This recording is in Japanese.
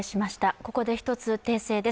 ここで１つ訂正です。